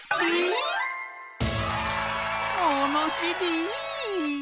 ものしり！